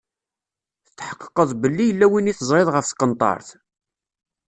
Tetḥeqqeḍ belli yella win i teẓriḍ ɣef tqenṭert?